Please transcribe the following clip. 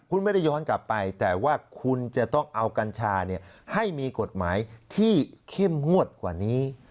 คุณไม่ได้ย้อนกลับไปแต่ว่าคุณจะต้องเอากัญชาให้มีกฎหมายที่เข้มงวดกว่านี้